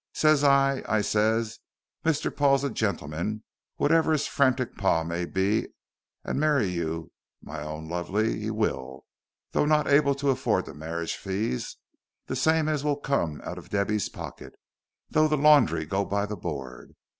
"Ses I, I ses, Mr. Paul's a gentleman whatever his frantic par may be and marry you, my own lovey, he will, though not able to afford the marriage fees, the same as will come out of Debby's pocket, though the laundry go by the board.